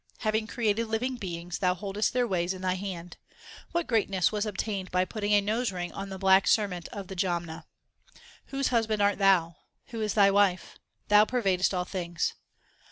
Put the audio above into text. Having created living beings, Thou holdest their ways in Thy hand. What greatness was obtained by putting a nose ring on the black serpent of the Jamna ? 3 Whose husband art Thou ? Who is Thy wife ? Thou pervadest all things.